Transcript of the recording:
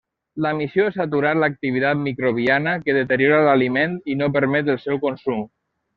La missió és aturar l'activitat microbiana que deteriora l'aliment i no permet el seu consum.